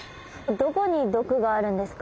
どこに毒があるんですか？